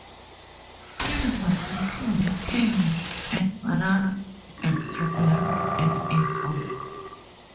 Flavors include Kiwi and Banana and Strawberry and Apple.